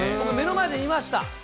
目の前で見ました。